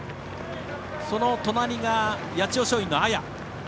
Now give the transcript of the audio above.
その隣、八千代松陰の綾。